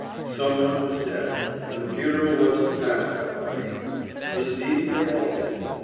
Some one was dead, and the funeral was to pass that way. Indeed they all did.